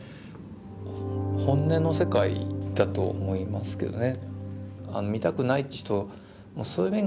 本音の世界だと思いますけどね。